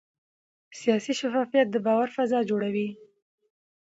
سیاسي شفافیت د باور فضا جوړوي